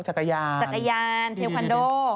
จักรยานแทคอนโด